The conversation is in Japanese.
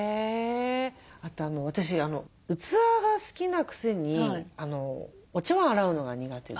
あと私器が好きなくせにお茶わん洗うのが苦手で。